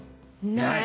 ない！